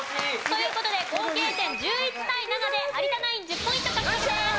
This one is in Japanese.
という事で合計点１１対７で有田ナイン１０ポイント獲得です。